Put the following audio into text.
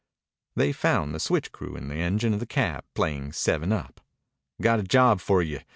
They found the switch crew in the engine of the cab playing seven up. "Got a job for you.